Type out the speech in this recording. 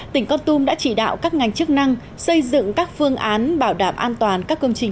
tỉnh con tum đã chỉ đạo các ngành chức năng xây dựng các phương án bảo đảm an toàn các công trình